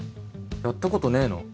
やったことねえの？